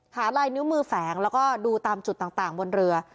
ลายนิ้วมือแฝงแล้วก็ดูตามจุดต่างบนเรือ